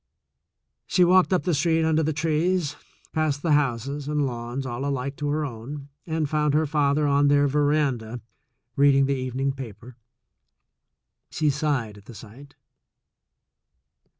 She walked up the street under the trees, past the houses and lawns all alike to her own, and found her father on their veranda reading the evening paper. She sighed at the sight.